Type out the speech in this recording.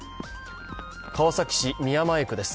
川崎市宮前区です。